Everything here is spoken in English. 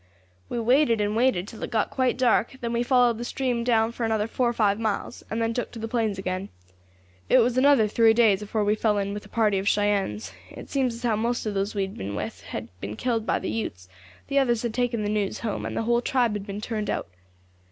"We waited and waited, till it got quite dark; then we followed the stream down for another four or five miles, and then took to the plains again. It was another three days afore we fell in with a party of Cheyennes. It seemed as how most of those we had been with had been killed by the Utes; the others had taken the news home, and the whole tribe had been turned out.